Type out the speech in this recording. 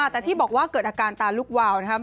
แต่ที่บอกว่าเกิดอาการตาลุกวาวนะครับ